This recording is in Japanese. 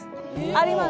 あります。